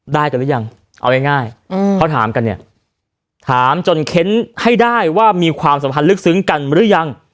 ได้กันหรือยังเอาง่ายเขาถามกันเนี่ยถามจนเค้นให้ได้ว่ามีความสัมพันธ์ลึกซึ้งกันหรือยัง